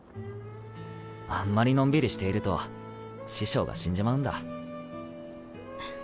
あんまりのんびりしていると師匠が死んじまうんだ。